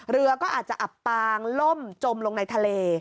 เรือก็อาจจะอับปางล่มจมลงในทะเล